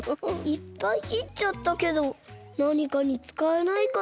いっぱいきっちゃったけどなにかにつかえないかな？